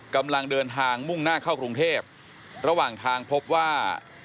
กำลังเดินทางมุ่งหน้าเข้ากรุงเทพระหว่างทางพบว่า